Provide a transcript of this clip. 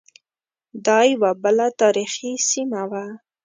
دا یوه بله تاریخی سیمه وه.